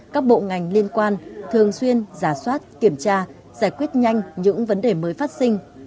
các bộ ngành liên quan thường xuyên giả soát kiểm tra giải quyết nhanh những vấn đề mới phát sinh